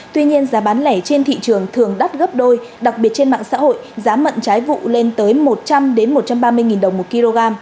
tuy nhiên giá bán lẻ trên thị trường thường đắt gấp đôi đặc biệt trên mạng xã hội giá mận trái vụ lên tới một trăm linh một trăm ba mươi đồng một kg